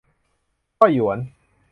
ก็หยวน